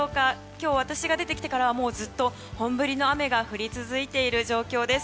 今日、私が出てきてからずっと本降りの雨が降り続いている状況です。